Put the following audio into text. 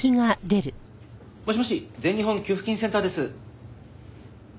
もしもし全日本給付金センターです。